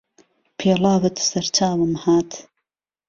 پێڵاوت سهر چاوم هات